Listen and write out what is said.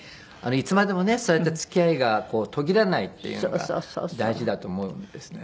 いつまでもねそうやって付き合いが途切れないっていうのが大事だと思うんですね。